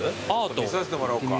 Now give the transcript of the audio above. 見させてもらおうか。